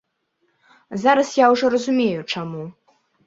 Зараз я ўжо разумею, чаму.